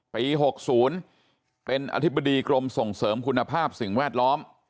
ปี๖๐เป็นอธิบดีกรมส่งเสริมคุณภาพสิ่งแวดล้อม